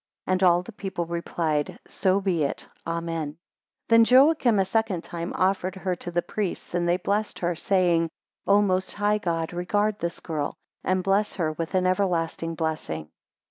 And all the people replied, So be it, Amen: 6 Then Joachim a second time offered her to the priests, and they blessed her, saying, O most high God, regard this girl, and bless her with an everlasting blessing.